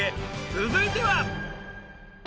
続いては。